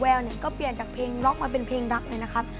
แววเนี่ยก็เปลี่ยนจากเพลงล็อกมาเป็นเพลงรักเลยนะครับ